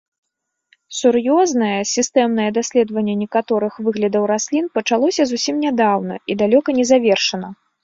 Сур'ёзнае, сістэмнае даследаванне некаторых выглядаў раслін пачалося зусім нядаўна і далёка не завершана.